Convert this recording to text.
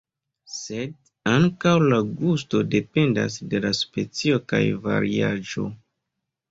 Sed ankaŭ la gusto dependas de la specio kaj variaĵo.